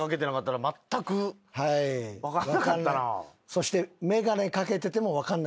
そして。